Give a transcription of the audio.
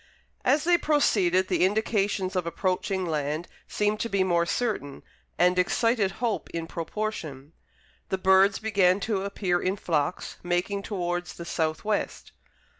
As they proceeded, the indications of approaching land seemed to be more certain, and excited hope in proportion. The birds began to appear in flocks, making towards the south west.